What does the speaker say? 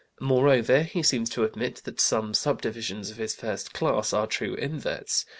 Moreover, he seems to admit that some subdivisions of his first class are true inverts.